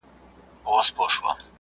مهاراجا به شهزاده ته ډیر احترام ورکوي.